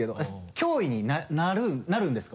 脅威になるんですか？